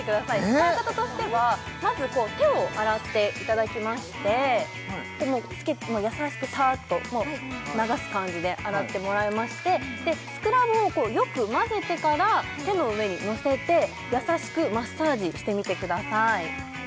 使い方としてはまず手を洗っていただきまして優しくさーっともう流す感じで洗ってもらいましてでスクラブをこうよく混ぜてから手の上にのせて優しくマッサージしてみてください